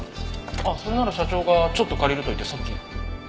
あっそれなら社長がちょっと借りると言ってさっき。